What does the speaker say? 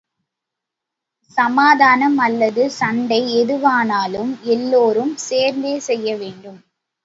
சமாதானம் அல்லது சண்டை எதுவானாலும் எல்லோரும் சேர்ந்தே செய்ய வேண்டும்.